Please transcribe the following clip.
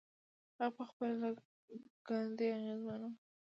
هغه پخپله له ګاندي اغېزمن و.